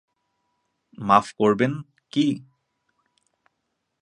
মাফ করবেন, - কি?